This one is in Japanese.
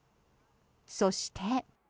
そして。